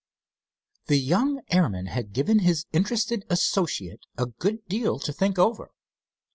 The young airman had given his interested assistant a good deal to think over.